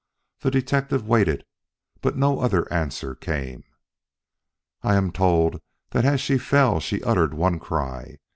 The detective waited, but no other answer came. "I am told that as she fell she uttered one cry.